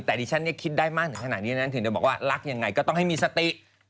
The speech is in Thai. แต่ดิฉันคิดได้มากถึงขนาดนี้นะถึงจะบอกว่ารักยังไงก็ต้องให้มีสติ